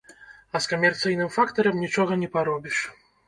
А з камерцыйным фактарам нічога не паробіш.